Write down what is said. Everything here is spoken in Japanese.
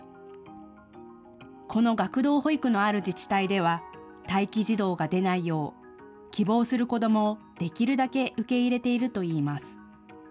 この学童保育のある自治体では待機児童が出ないよう希望する子どもをできるだけ受け入れているといいます。